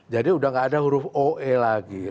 jadi udah gak ada huruf oe lagi